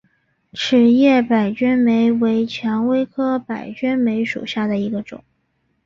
齿叶白鹃梅为蔷薇科白鹃梅属下的一个种。